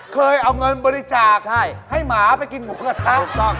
เคยเอาเงินบริจาคให้ให้หมาไปกินหมูกระทะ